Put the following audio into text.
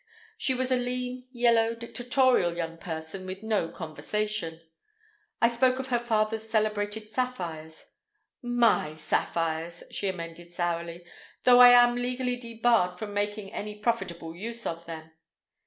She was a lean, yellow, dictatorial young person with no conversation. I spoke of her father's celebrated sapphires. "My sapphires," she amended sourly; "though I am legally debarred from making any profitable use of them."